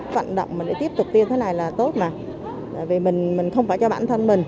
vận động để tiếp tục tiêm thế này là tốt mà vì mình không phải cho bản thân mình